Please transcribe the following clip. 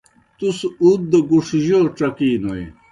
تُس اُوت دہ گُڇھ جو ڇکِینوْئے؟۔